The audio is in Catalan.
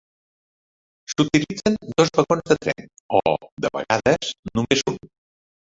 S'utilitzen dos vagons de tren o, de vegades, només un.